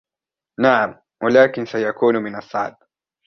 نعم ، ولكن سيكون من الصعب.